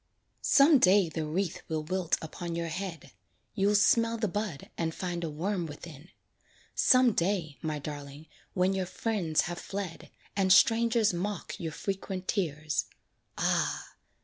Some day the wreath will wilt upon your head; You'll smell the bud and find a worm within. Some day, my darling, when your friends have fled, And strangers mock your frequent tears, ah!